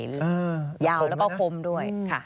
ยาวแล้วก็พร้อมด้วย